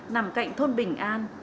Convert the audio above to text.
nằm cạnh thôn bình an